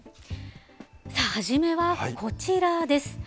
さあ、初めはこちらです。